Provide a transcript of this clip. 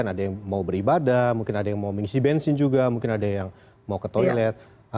ada yang mau beribadah mungkin ada yang mau mengisi bensin juga mungkin ada yang mau ke toilet